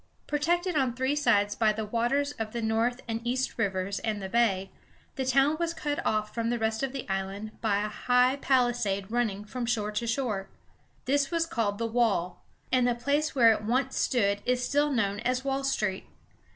Protected on three sides by the waters of the North and East rivers and the Bay, the town was cut off from the rest of the island by a high palisade running from shore to shore. This was called the "Wall," and the place where it once stood is still known as Wall Street.